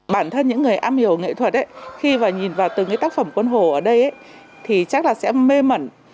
bản thân những người am hiểu nghệ thuật khi nhìn vào từng tác phẩm quân hổ ở đây thì chắc là sẽ mê mẩn